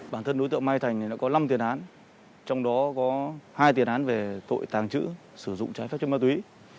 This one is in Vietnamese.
bản thân đối tượng mai thành có năm tiền án trong đó có hai tiền án về tội tàng trữ sử dụng trái phép chất ma túy